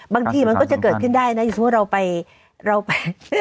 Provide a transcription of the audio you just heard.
บางทีมันก็จะเกิดขึ้นได้นะอย่างสมมุติเราไปเราไป